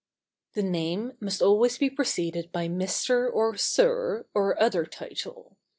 ] The name must always be preceded by "Mr." or "Sir," or other title.